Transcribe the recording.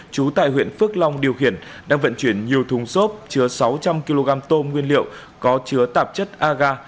chú tại huyện phước long điều khiển đang vận chuyển nhiều thùng xốp chứa sáu trăm linh kg tôm nguyên liệu có chứa tạp chất aga